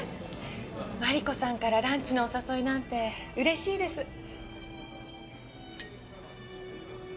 マリコさんからランチのお誘いなんて嬉しいです。